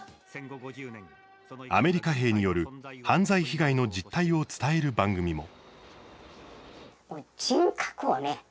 アメリカ兵による犯罪被害の実態を伝える番組も。